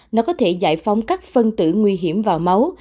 nó có thể giải phóng các phân tử nguy hiểm vào máu